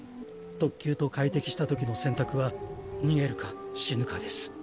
特級と会敵したときの選択は逃げるか死ぬかです。